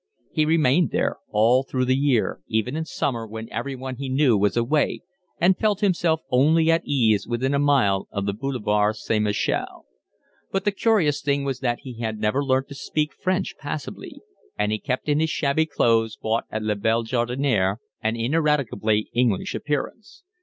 He remained there all through the year, even in summer when everyone he knew was away, and felt himself only at ease within a mile of the Boulevard St. Michel. But the curious thing was that he had never learnt to speak French passably, and he kept in his shabby clothes bought at La Belle Jardiniere an ineradicably English appearance.